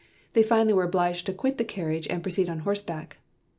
They were finally obliged to quit the carriage and proceed on horseback.